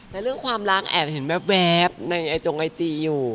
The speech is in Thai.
แต่เรื่องความรักแอบเห็นแว๊บในไอจงไอจีอยู่